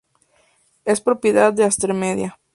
Es propiedad de Atresmedia.